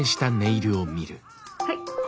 はい。